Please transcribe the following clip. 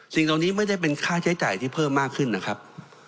สิ่งเหล่านี้ไม่ได้เป็นค่าใช้จ่ายที่เพิ่มมากขึ้นนะครับ